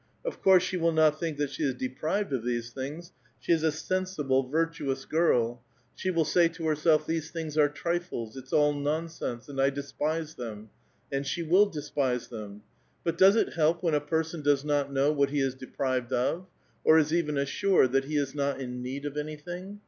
Of course she '^ill not think that she is deprived of these things ; she is SL sensible, virtuous girl. She will say to herself :' These t bkings are trifles ; it's all nonsense, and I despise them.' A.nd she will despise them. But does it help when a person cloes not know what he is deprived of, or is even assured that l^e is not in need of anything.